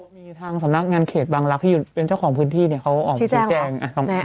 มีทางสำนักงานเขตบางลักษณ์ที่เป็นเจ้าของพื้นที่เขาออกมาชี้แจง